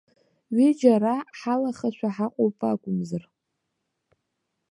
Ҩыџьа ара ҳалахашәа ҳаҟоуп акәымзар.